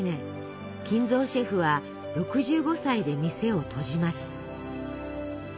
金藏シェフは６５歳で店を閉じます。